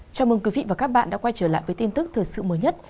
chào mừng quý vị và các bạn đã quay trở lại với tin tức thời sự mới nhất